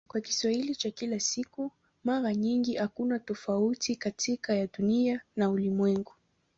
Kwa Kiswahili cha kila siku mara nyingi hakuna tofauti kati ya "Dunia" na "ulimwengu".